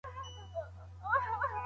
په خپل زړه یې وي منلي منتونه